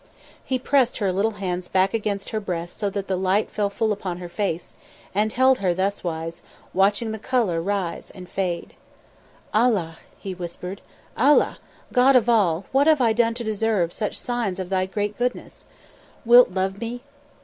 He pressed her little hands back against her breast so that the light fell full upon her face, and held her thus wise, watching the colour rise and fade. "Allah!" he whispered. "Allah! God of all, what have I done to deserve such signs of Thy great goodness? Wilt love me?"